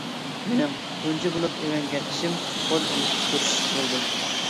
مېنىڭ تۇنجى بولۇپ ئۆگەنگەن ئىشىم قول ئېلىشىپ كۆرۈشۈش بولدى.